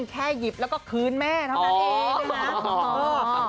แค่หยิบแล้วก็คืนแม่เท่านั้นเองนะคะ